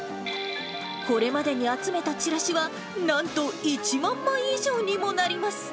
これまでに集めたチラシはなんと１万枚以上にもなります。